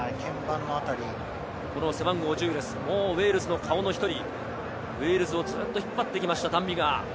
背番号１０です、もうウェールズの顔の１人、ウェールズをずっと引っ張ってきました、ダン・ビガー。